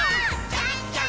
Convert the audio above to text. じゃんじゃん！